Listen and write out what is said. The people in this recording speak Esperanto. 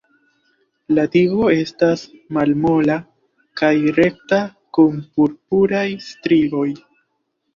La tigo estas malmola kaj rekta kun purpuraj strioj.